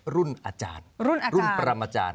รุ่นอาจารย์รุ่นประมาจารย์